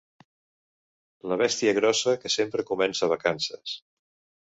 La bèstia grossa que sempre comença vacances.